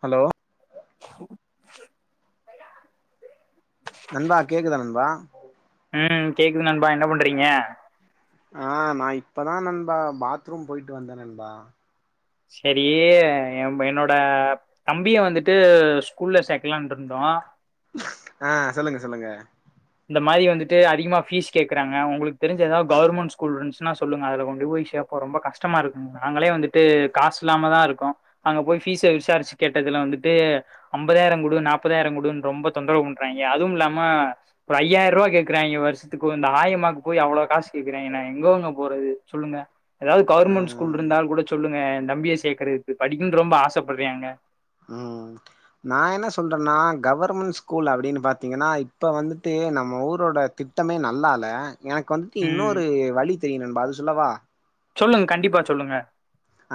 Hello [unintelligible] நண்பா கேக்குதா நண்பா இல்ல நண்பா என்ன பண்றீங்க ஆ நா இப்பதா நண்பா பாத்ரூம் போயிட்டு வந்தே நண்பா செரி என்னோட தம்பிய வந்துட்டு ஸ்கூல்ல செக்கலாண்டு இருந்தொ ஆ சொல்லுங்க சொல்லுங்க இந்த மாரி வந்துட்டு அதிகமா பீஸ் கேக்குறாங்க ஒங்களுக்கு தெரிஞ்ச ஏதாவது கவர்மெண்ட் ஸ்கூல் இருந்துச்சுன்னா சொல்லுங்க அதுல கொண்டு போய் கேட்போ ரொம்ப கஷ்டமா இருக்கு நாங்களே வந்துட்டு காசு இல்லாம தா இருக்கோ அங்க போய் பீஸ்ச விசாரிச்சு கேட்டது த வந்துட்டு ஐம்பதாயிரம் குடு நாப்பதாயிரம் குடுன்னு ரொம்ப தொந்தரவு பண்றாய்ங்க அதுவும் இல்லாம ஒர் ஐயாயிரோ ரூபா கேக்குறாய்ங்க வருஷதுக்கு இந்த ஆயமாக்கு போய் அவ்ளோ காசு கேக்குறாய்ங்கென்னா எங்க போறது சொல்லுங்க ஏதாது ஆ கவர்மெண்ட் ஸ்கூல் இருந்தால கூட சொல்லுங்க தம்பியே சேக்கரதுக்கு படிக்கனும்னு ரொம்ப ஆசைப்படுறாய்ங்க உம் நா என்ன சொல்றேன்னா கவர்மெண்ட் ஸ்கூல் அப்டின்னு பாத்தீங்கன்னா இப்ப வந்துட்டு தே நம்ம ஊரோட திட்டமே நல்லால்ல எனக்கு வந்துட்டு ம் இன்னொரு வழி தெரியு நண்பா அது சொல்லவா சொல்லுங்க கண்டிப்பா சொல்லுங்க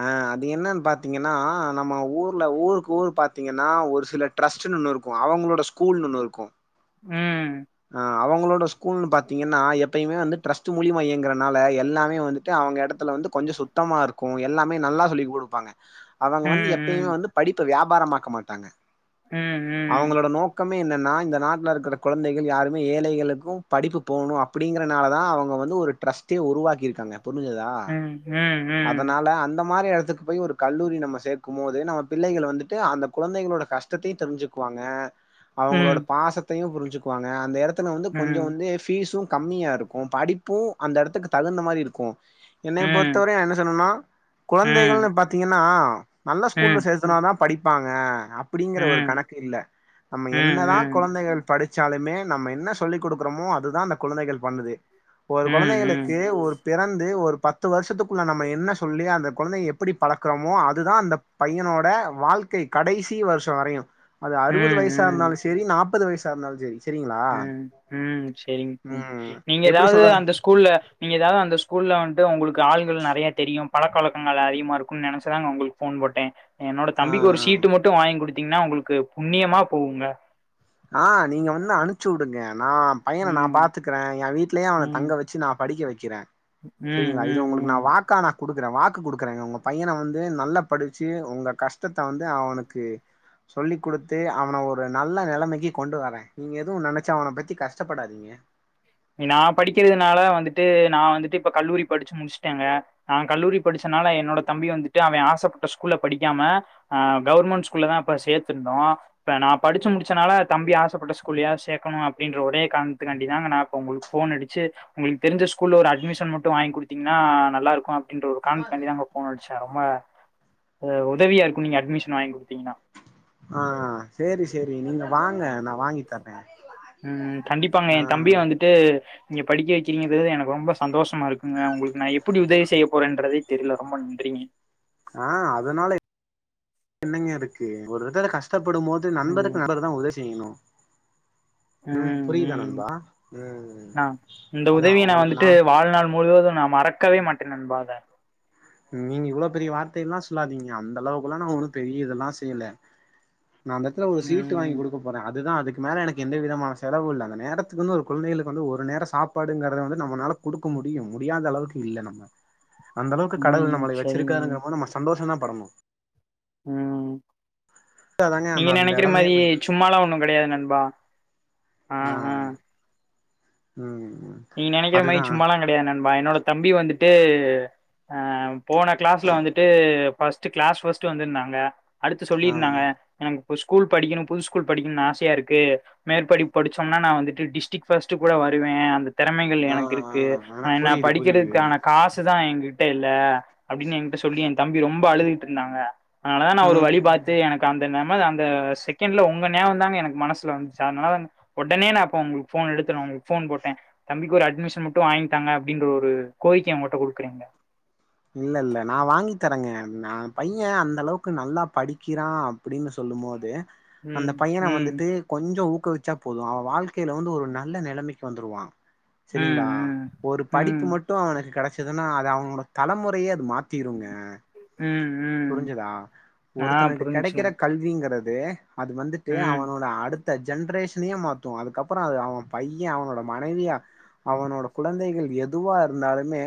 ஆ அது என்னன்னு பாத்தீங்கென்னா நம்ம ஊர்ல ஊருக்கு ஊரு பாத்தீங்கென்னா ஒரு சில ட்ரஸ்ட் ஒண்ணு இருக்கு அவங்களோட ஸ்கூல் ஒண்ணு இருக்கு உம் ஆ அவங்களோட ஸ்கூல் பாத்தீங்கென்னா எப்பயுமே வந்து ட்ரஸ்ட் மூலியம இயங்கிறனால எல்லாமே வந்துட்டு அவங்க இடத்துல வந்து கொஞ்சோ சுத்தமா இருக்கு எல்லாமே நல்லா சொல்லி குடுப்பாங்க அவங்க வந்து ம் எப்பயுமே வந்து படிப்ப வியாபாரமாக்க மாட்டாங்க உம் உம் சுத்தமே இல்லேனா இந்த நாட்டில இருக்கற கொழந்தை யாருமே ஏழைகளுக்கு படிப்பு போணு அப்டிங்கறனால தா அவுங்க வந்து ஒரு ட்ரஸ்டே உருவாக்கி இருக்காங்க புரிஞ்சதா ம், ம், ம். அதனால அந்த மாரி எடத் க்கு போய் ஒரு கல்லூரி நம்ம சேர்க்கு போது நம்ம பிள்ளைகள் வந்துட்டு அந்த குழந்தைகளோட கஷ்டத்தையு தெரிஞ்சுக்குவாங்க அவுங்களோட ம், பாசத்தையு புரிஞ்சுக்குவாங்க அந்த இடத்துல வந்து கொஞ்சம் ம், வந்து பீஸ்சு கம்மியா இருக்கு படிப்பு அந்த இடத்துக்கு தகுந்த மாரி இருக்கு என்னைய ம், பொறுத்தவரையு என்ன சொன்னனா ம், குழந்தைகள்னு பாத்தீங்கன்னா நல்ல ஸ்கூல்ல ம், ம், சேத்துனாதா படிப்பாங்க அப்டிங்கிற ஒரு ம், கணக்கு இல்ல ம், நம்ம என்னதா ம், கொழந்தைகள் படிச் ச்சாலுமே நம்ம என்ன சொல்லி குடுக்குறோமோ அதுதா அந்த குழந்தைகள் பண்ணுது ஒரு ம், கொழந்தைகளுக்கு ஒரு பிறந்து ஒரு பத்து வருஷத்துக்குள்ள நம்ம என்ன சொல்லி அந்த கொழந்தைய எப்டி பழக்கறோமோ அதுதா அந்த பையனோட வாழ்க் கை கடைசி வருஷோ வரையு அது அறுவது வயச இருந்தாலு ம், செரி நாப்பது வயச இருந்தாலு செரி செரிங்களா உம் உம் செரி ம் நீங்க எப்டி ஏதாவது சொல்ற அந்த ஸ்கூல்ல நீங்க எதாவது அந்த ஸ்கூல்ல வந்து உங்களுக்கு ஆள்கள் நெறைய தெரியு பழக்க வழக்கங்கள் அதிகமா இருக்கும்னு நெனைச்சதாங்க ஒங்களுக்கு போன் போட்டே என்னோட ஆ தம்பிக்கு ஒரு சீட்டு மட்டு வாங்கி குடுத்தீங்கன்னா உங்களுக்கு புண்ணியமா போகுங்க ஆ நீங்க வந்து அனுப்ச்சு வுடுங்க நா பையன நா ம், பாத்துக்கறே என் வீடலேயே அவன தங்க ம், வச்சு நா படிக்க வைக்கிறே ம், செரிங்களா இத ம், ஒங்களுக்கு ம். நா வாக்கானா குடுக்குறே வாக்கு குடுக்குறேங்க உங்க பையன வந்து நல்லா படிச்சு உங்க கஷ்டத்த வந்து அவனுக்கு சொல்லி குடுத்து அவன வந்து ஒரு நல்ல நிலைமைக்கு கொண்டு வரே நீங்க எதுவு நெனைச்ச உன பத்தி கஷ்டப்படாதீங்க நா படிக்கிறதுனால வந்துட்டு நா வந்துட்டு இப்ப கல்லூரி படுச்சு முடிச்சுட்டேங்க நா கல்லூரி படுச்ச துனால என்னோட தம்பி வந்துட்டு அவே ஆசப்பட்ட ஸ்கூல்ல படிக்காம அ கவர்மெண்ட் ஸ்கூல்ல தா இப்ப சேத்திருந்தோ இப்ப நா படுச்சு முடிச்சனால தம்பி ஆசப்பட்ட ஸ்கூலாவது சேக்கணு அப்டின்ற ஒரே கார்ணத்துகாண்டிதாங்க நா உங்களுக்கு போன் அடுச்சு உங்களுக்கு தெரிஞ்ச ஸ்கூல்ல ஒரு அட்மிஷன் மட்டு வாங்கி குடுத்தீங்ன்னா நல்லா இருக்கு அப் அப்டின்ற ஒரு கார்ணத்துகான்டிதா அங்க போன் அடிச்சா ரொம்ப அ உதவியா இருக்கு நீங்க அட்மிஷன் வாங்கி குடுத்தீங்ன்னா ஆ சேரி சேரி நீங்க வாங்க நா வாங்கி தர்றே ம் கண்டிப்பாங்க ஆ எ தம்பிய வந்துட்டு நீங்க படிக்க வைக்கிறீங்கின்றது எனக்கு ரொம்ப சந்தோஷமா இருக்குங்க உங்களுக்கு நா எப்டி உதவி செய்ய போறேன்றதே தெரியல ரொம்ப நன்றி [inaudible] ஆ அதுனால என்னங்க இருக்கு ஒரு இத்ல கஷ்ட கஷ்டப்படும் போது ம், நண்பருக்கு நண்பர் தா உதவி செய்யணு ம் புரியுதா நண்பா ம் நான் அதா உங்களுக்கு நா நா மறக்கவே மாட்டே நண்பா இத நீங்க இவ்ளோ பெரிய வார்த்தையெல்லா சொல்லாதீங்க அந்த அளவுக்குள்ள நா ஒண்ணு பெரிய இதெல்லா செய்யல நா அந்தத்துல ஒரு சீட்டு வாங்கி ம், குடுக்க போறே அது இதுதா அதுக்கு மேல எனக்கு எந்த விதமான செலவு இல்ல அந்த நேரத்துகுனு குழந்தைகளுக்கு வந்து ஒரு நேர சாப்பாடுங்கறத வந்து நம்மனால கொடுக்க முடியு முடியாத அளவுக்கு இல்ல நம்ம அந்த அளவுக் கடவுள் ம். நம்மள சரிங்க. வச்சுருக்காங்கபோது நம்ம சந்தோஷம் தா படணு ம் அதாங்க நீங்க அந்த அந்த நெனைக்கிற எடமே மாரி கொஞ்சோ சும்மாலா ஒண்ணு கெடையாது நண்பா ஆ உம் நீ நெனைக்கிற மாரி சும்மாலா கெடையாது நண்பா என்னோட தம்பி வந்துட்டு ஆ போன கிளாஸ்ல வந்துட்டு ஃபர்ஸ்ட்டு கிளாஸ் ஃபர்ஸ்ட் வந்திருந்தாங்க அடுத்து ஆ சொல்லிருந்தாங்க எனக்கு ஒரு ஸ்கூல் படிக்கனு புது ஸ்கூல் படிக்கனு ஆசயாருக்கு மேற்படிப்பு படுச்சோம்னா நா வந்துட்டு டிஸ்டிக் ஃபர்ஸ்ட் கூட வந் வருவே அந்த திறமைகள் ஆ எனக்கு ஆ இருக்கு எனக்கு ஆன நா புரியுது புரியுது படிக்கிறதுக்கான காசு தா எங்கிட்ட இல்ல அப்டின்னு என்கிட்ட சொல்லி என் தம்பி ரொம்ப அழுதுகுட்டு இருந்தாங்க அதனாலதா நா ஒரு ம் வழி பாத்து எனக்கு அந்த நம் அந்த செகண்ட்ல உங்க நேரோந்தாங்க எனக்கு மனசுல வந்து அதுனாலதாங் ஒடனே நா அப்ப உங்களுக்கு போன் எடுத்தனு போன் போட்டே தம்பிக்கு ஒரு அட்மிஷன் மட்டும் வாங்கிதாங்க அப்டின்ற ஒரு கோரிக்கைய ஒங்கட்ட குடுக்குறே இல்ல இல்ல நா வாங்கி தரேங்க நா பையெ அந்த அளவுக்கு நல்லா படிக்கிறான் அப்டின்னு சொல் சொல்லும் போது அந்த ம் பையன ம் வந்துட்டு கொஞ்சொ தூக்கி வச்சா போது அவன் வாழ்க்கையில வந்து ஒரு நல்ல நெலமைக்கு வந்துருவா ம் செரிங்ளா ம் ஒரு படிப்பு ம் மட்டு அவனுக்கு கெடச்சதுன்னா அது அவனோட தலமுறையே அது மாத் திருங்க ம் ம் புருஞ்சதா ஆ ஒருத்தனுக்கு புரிஞ்சுச்சுண்ணா கெடைக்கிற கல்விங்றது து அது வந்துட்டு ம் அவனோட அடுத் த்த ஜென்ரேஷனையே மாத்து அதுக்கப்பறோ அது அவன் பையெ அவனோட மனைவியாக அவனோட குழந்தைகள் எதுவா இருந்தாலுமே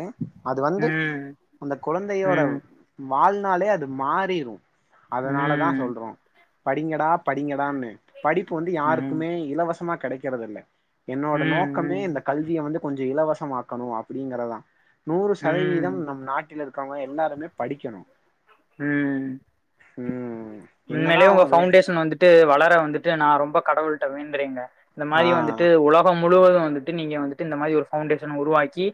அது வந்து ம் அந்த குழந்தையோட ம் வாழ்நாளே அது மாறிரு ம் அதுனால தா ம் சொல்றோ படிங்கடா படிங்கடான்னு படிப்பு வந்து ம் யாருக்குமே இலவசமா கெடைக்கிறதுல்ல என்னோட நோக்கமே இந்த ம் கல்விய வந்து கொஞ்சொ இலவசமாக்கனு அப்டிங்றதா நூறு சதவீதோ ம் நம் நாட்டில இருக்கவங்க எல்லாருமே படிக்கனு உண்மையிலேயே ஒங்க ஃபவுண்டேஷன் வந்துட்டு வளர வந்துட்டு நா ரொம்ப கடவுள்ட வேண்றேங்க இந்த மாரி ஆ வந்துட்டு உலகோ முழுவது வந்துட்டு நீங்க வந்துட்டு இந்த மாரி ஒரு ஃபவுண்டேஷன் உருவாக்கி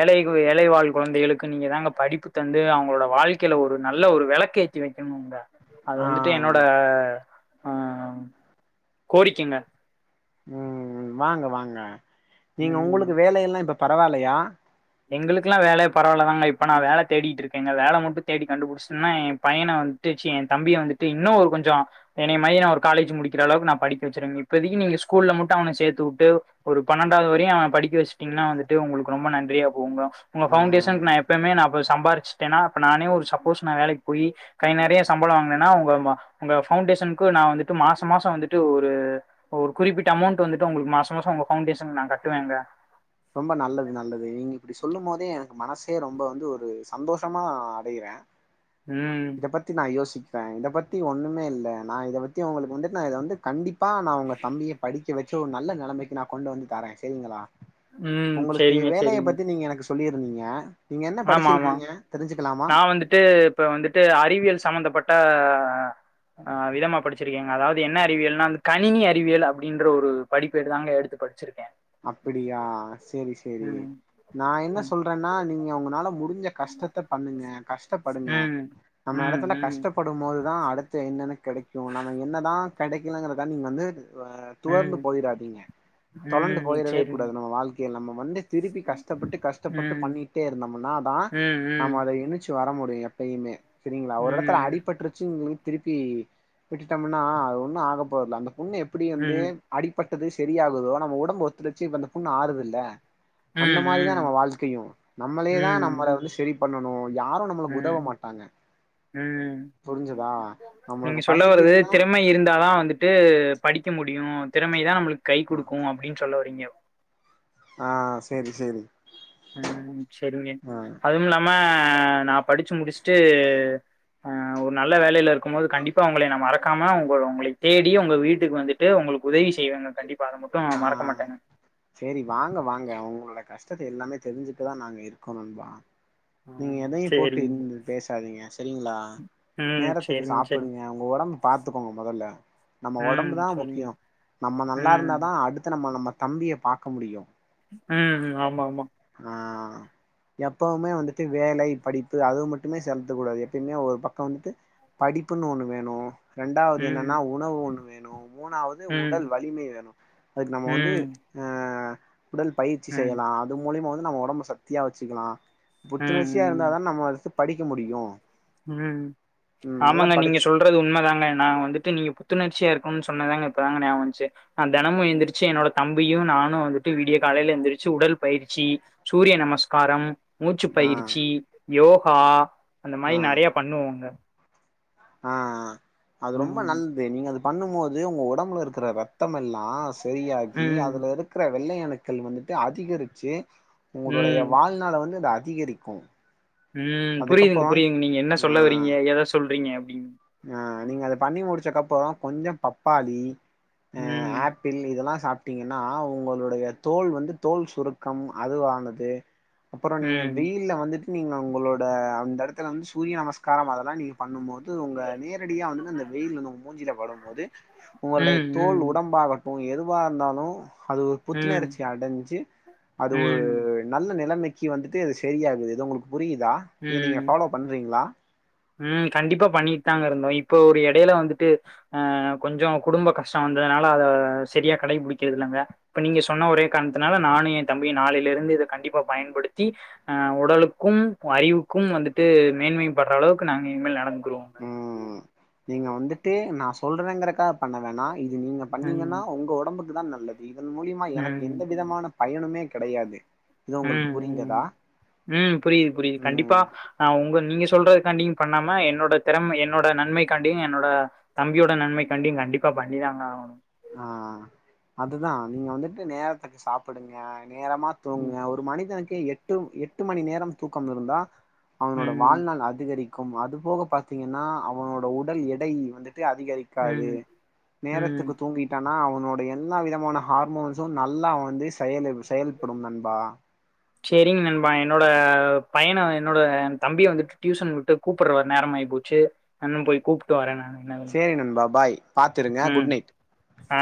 ஏழைகு ஏழைவாழ் குழந்தைகளுக்கு நீங்க தாங்க படிப்புக் வந்து அவங்களோட வாழ்க்கையில ஒரு நல்ல ஒரு வெளக்கேத்தி வைக்கனும்ங்க அது ஆ வந்துட்டு என்னோட கோரிக்கங்க ம் ம் வாங்க வாங்க நீங்க ம். ஒங்குளுக்கு வேலை எல்லா இப்ப பரவாலயா எங்குளுக்குலா வேலே பரவால்லதாங்க இப்ப நா வேல தேடிட்ருக்கேங்க வேல மட்டு தேடி கண்டுபுடுஷ்ன்னா எ பைன வந்து டு சி எ தம்பிய வந்துட்டு இன்னோ ஒரு கொஞ்சொ என்னய மாரி நா ஒரு காலேஜ் முடிக்கிற அளவுக்கு நா படிக்க வச்சிர்வேங் இப்பதக்கி நீங்க ஸ்கூல்ல மட்டு அவன சேத்து உட்டு ஒரு பன்னண்டாவ்து வரியு அவ படிக்க வஷ்ட்டீங்னா வந்துட்டு ஒங்களுக்கு ரொம்ப நன்றியப் போங்க உங்க ஆ பவுண்டேஷன்க்கு நா எப்பயுமே நா ஃபஸ் சம்பாிச்சிட்டேனா அப்ப நானே ஒரு சப்போஸ் நா வேலக் போயி கை நரய சம்பள வாங்னோனா உங்க மா உங்க ஃபவுண் டேஷன்க்கு நா வந்துட்டு மாச மாச வந்துட்டு ஒரு ஒரு குறிப்பிட்ட அமோண்ட் வந்துட்டு ஒங்ளுக்கு மாச மாச உங்க ஃபவுண்டேஷன் நா கட்டுவேங்க ரொம்ப நல்லது நல்லது நீங்க இப்டி சொல்லுமோதே எனக்கு மனசு ஹே ரொம்ப வந்து ஒரு சந்தோஷமா அடையிற ம் இத பத்தி நா யோசிக்ற இத பத்தி ஒன்னுமே இல்ல நா இத பத்தி ஒங்களுக்கு வந்து நா இத வந்து கண்டி பா நா ஒங்க தம்பிய படிக்க வெச்சு ஒ நல்ல நெலமக்கி நா கொண்டு வந்து தரே செவிங்களா ம் ஒங்களுக்கு செரிங்க வேலய செரிங்க பத்தி நீங்க எனக்கு சொல்லி இருந்தீங்க ஆமா ஆமா நா வந்துட்டு இப்ப வந்து டு அறிவியல் சமந்தப்பட்ட அ விதமா படிச்சிருக்கேங் அதாவ்து என்ன அறிவியல்னா அந் கணினி அறிவியல் அப்டின்ற ஒரு படிப்பேடு தாங்க எடுத்து படுச்சிருக் அப்பிடியா சேரி சேரி ம் நா என்ன ம் சொல்றேன்னா நீங்க உங்கனால மு இஞ்ச கஷ்டத்த பண்ணுங்க கஷ்டப்படுங்க ம் நம்ம எடத்துல ம் கஷ்டப்படுமோதுதா அடுத்து எய்னன கெடக்கு நம்ம என்னதா கெடக்கலங்கற்துகா நீங்க வந்து வ துவர்ந்து ம் போயிறாதீங்க ம் தொலண்டு ம் போயிறவே சரிங்க கூடாது நம்ம வால்க் நம்ம வந்து திருப்பி கஷ்ட்டப்பட்டு கஷ்ட்டப்பட்டு ம் பண்ணிட்டே இருந்தம்மனா தா ம் ம் நம்ம அத இனச்சு வர முடியு எப்பயுமே செரிங்ளா ஒர் எடத்துல ம் அடிப்பட்ருச்சுங்லி திருப்பி விட்டுட்டம்முனா அது ஒன்னு ஆகப்போர்ல அந்த புண்ணு எப்டி வந்து ம் அடிப்பட் டுது செரி ஆகுதோ நம்ம உடம்பு ஒத்துலச்சி இப்ப அந்த புண்ணு ஆறுது இல்ல ம் அந்த மாதிரிதா ம் நம்ம வாழ்க்கயு நம்மளே தா ம் நம்மள வந்து செரி பண்ணணு யாரு நம்மளுக் உதவ ம் மாட்டாங்க ம் புரிஞ்சதா நீங்க நம்மளுக்கு சொல்ல வரது பசிக்குதுன்னா திறமை இருந்தா தா வந்துட் படிக்க முடியு திறமைதா நம்ளுக் கை ஆ குடுக்கு அப்டின் சொல்ல வரிங்க ஆ சேரி சேரி ம் செரிங்க ஆ அதும் இல்லாம நா படிச்சி முடிஷ்ட்டு ஒரு நல்ல வேலயல இருக்குமோது கண்டிப் உங்களே நா மறக்காம உங்க உங்களை தேடி உங்க வீட்டுக் வந்துட்டு உங்களுக் உதவி செய்வங்க கண்டிப் ஆ செரி வாங்க வாங்க அவுங்ளோட கஷ் சத்த எல்லாமே தெர்ஞ்சிக்கதா நாங்க இருக்ககொ நண்பா நீங்க ம் எதையு போட்டு இந் சரிங்க. தேஸ் தாதிங்க செரிங்ளா ம் நேரத்துக்கு சரிங்க சரிங்க. சாப்புடுங்க உங்க உடம்பு பாத்துக்கோங்க மொதல்ல நம்ம ம் ஒடம்புதா சரிங்க. முக்கியொ நம்ம நல்லார்ந்தா ம். அடுத்து நம்ம நம்ம தம்பிய பாக்க முடியு அ ஆமாமா ஆ [inaudible] எப்பவுமே வந்துட்டு வேலை படிப்பு அதுவ் மட்டுமே செம்த்த கூடாது எப்பிமே ஒரு பக்க வந்துட்டு படிப்புன் ஒன்னு வேணு ரெண்டாவது என்னன்னா ம். உணவு ஒன்னு வேணு மூணாவது உடல் ம். வலிமை வேணு அதுக்கு நம்ம வந்து ம். அ உடல் பயிற்சி ம். ம். செய்யலா அது மூலய்மா வந்து நம்ம ஒடம்ம சக்தியா வச்சிக்கலா புத்துணர்ச்சியா ம். இருந்தாதா நம்ம ஃபஸ்ட்டு படிக்க முடியு ம் ஆமாங்க நீங்க சொல்றது உண்மதாங்க நா வந்துட்டு நீங்க பு துணர்ச்சியா இருக்குனுன் சொன்னதாங்க இப்ப தாங்க நியாவந்துச்சு நா தெனமு எந்துர்ச்சு என்னோட தம்பியு நானு வந்துட்டு விடிய கா காலைல எந்துரிச்சு உடல்பயிற்சி சூரிய நமஸ்காரம் மூச்சு ஆஹ் பயிற்சி யோகா அந்த மாரி நெறய பண்ணுவோங்க ஆ ஆ அது ரொம்ப ம். நல்து நீங்க அது பண்ணும் போது ஒங்க ஒடம்புல இருக்கிற ரத்தமெல்லா ஆ செரியாகி ம். அதுல இருக்குற வெள்ளையணுக்கள் வந்துட்டு அதிகரிச்சு உங்களுடைய ம். வாழ்நாள வந்து அது அதிகரிக்கு ம் புரியுதுங்க அதுக்கப்புறோ புரியுதுங் நீங்க என்ன ஆ சொல்லவறீங்க ஏத சொல்றீங்க அப்டின் ஆ நீங்க அத பண்ணி முடிச்சக்கப்பற கொஞ்ச பப்பாளி ஆ ம். ஆப்பிள் இதெல்லா சாப்ட் டிங்கனா உங்களுடைய தோல் வந்து தோல் சுருக்கம் அதுவானது அப்பற நீங்க ம். வெயில்ல வந்துட்டு நீங்க உங்களோட அந்தெடத்துல வந்து சூரிய நமஸ்காரம் அதெல்லா நீங்க பண்ணும்போது வ நேரடியா வந்துட்டு அந்த வெயில் வந்து ஒங்க மூஞ்சில படும்போது உங்களுடைய ம். தோல் ம். உடம்பாகட்டு எதுவா வா இருந்தாலு அது ஒரு ம். புத்துணர்ச்சி அடஞ்சு அது ஒரு ம். நல்ல நெலமைக் கி வந்துட்டு இது செரியாகுது இது உங்களுக்கு புரியுதா இத நீங்க ம். ஃபாலோ பண்றீங்ளா ம் கண்டிப்பா பண்ணிட்தாங்க இருந்தோ இப்போ ஒரு எடைல வந்துட்டு அ கொஞ்ச குடும்ப கஷ்ட வந்த னால அத செரியா கடைபுடிகிறது இல்லங்க இப்ப நீங்க சொன்ன ஒரே காரணத்துனால நானு எ தம்பியு நாளைல இருந்து இத கண்டிப்பா பயன்படுத்தி அ உடலுக்கும் அறிவுக்கும் வந்துட்டு மேன்மை பட்ற அளவுக்கு நாங்க இனிமேல் நடந்து ம் நீங்க வந்துட்டு நா சொல்றேங்கறக்கா பண்ண வேணா இது நீங்க ம் பண்ணீங்கனா ஒங்க ஓடம்புக்கு தான் நல்லது இதன் மூலியமா எனக்கு ம் எந்த விதமான பயனுமே கெடையாது இது ஒங்களுக்கு ம் ம் புரிந்ததா ம் புரியுது புரியுது கண்டிப்பா ம் ஆ ஒங்க நீங்க சொ சொல்றதுகாண்டியு பண்ணாம என்னோட திறம என்னோட நன்மைகாண்டியு என்னோட தம்பியோட நன்மைகாண்டியு கண்டிப்பா பண்ணி தாங்க ஆகனு ஆ அதுதா நீங்க வந்துட்டு நேரத்துக்கு சாப்புடுங்க நேரமா ம் தூங்குங்க ஒரு மனிதனுக்கு எட்டும் எட்டு மணி நேரம் தூக்கம் இருந்தா அவனோட ம் வாழ்நாள் அதிகரிக்கும் அது போக பாத்தீங்கனா அவனோட உடல் எடை வந்து ட்டு அதிகரிக்காது ம் ம் நேரத்துக்கு ங்கிடானா அவனோட எல்லா விதமான ஹார்மோன்ஸு நல்லா வந்து செயலு செயல்படும் நண்பா சேரிங் நண்பா என்னோட பையன என்னோட என் தம்பிய வந்துட்டு டியூசன் விட்டு கூப்புட்றுவர் நேரமாயி போச்சு நானு போய் கூப்ட்டு வரே நானு என்னதுன்னு சேரி நண்பா பாய் பாத்துருங்க ம் குட் நைட் ஆ